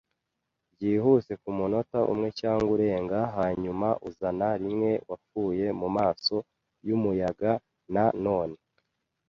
byihuse kumunota umwe cyangwa urenga, hanyuma uzana rimwe wapfuye mumaso yumuyaga. Na none